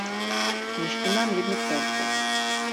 Ještě mám jednu prosbu.